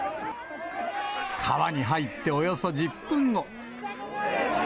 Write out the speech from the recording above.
川に入っておよそ１０分後。